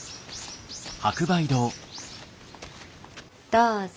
どうぞ。